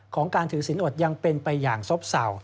ของการถือศีลอดยังเป็นไปอย่างซบเส่า